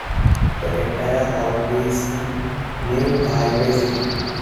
The entire route is in New Taipei City.